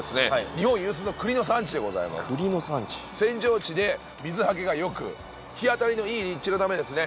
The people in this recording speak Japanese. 日本有数の栗の産地でございます扇状地で水はけがよく日当りのいい立地のためですね